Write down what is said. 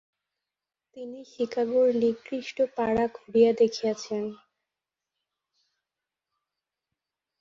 তিনি চিকাগোর নিকৃষ্ট পাড়া ঘুরিয়া দেখিয়াছেন।